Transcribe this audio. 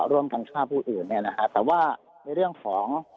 ร่วมกันฆ่าผู้อื่นเนี่ยนะฮะแต่ว่าในเรื่องของ